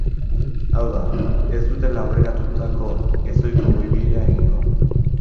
Hau da, ez dutela aurreratutako ezohiko goi-bilera egingo.